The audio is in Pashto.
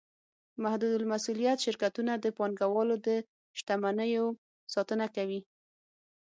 محدودالمسوولیت شرکتونه د پانګهوالو د شتمنیو ساتنه کوي.